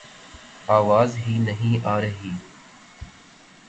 آواز ہی نہیں آرہی